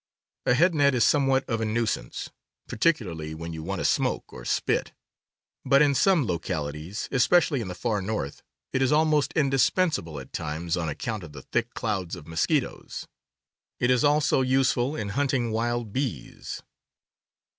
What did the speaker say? A head net is somewhat of a nuisance, particularly when you want to smoke or spit; but in some localities, especially in the far north, it is almost indispensable at times on account of the thick clouds of mosquitoes. It is also useful in hunt ing wild bees.